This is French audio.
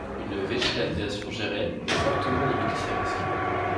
Une végétalisation gérée peut fortement limiter ces risques.